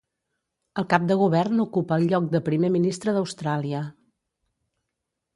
El cap de govern ocupa el lloc de primer ministre d'Austràlia.